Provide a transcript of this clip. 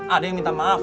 ada yang minta maaf